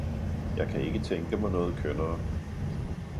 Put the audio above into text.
jeg kan ikke tænke mig noget kønnere.